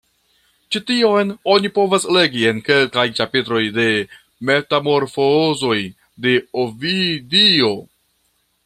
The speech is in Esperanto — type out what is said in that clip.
Ĉi tion oni povas legi en kelkaj ĉapitroj de Metamorfozoj de Ovidio.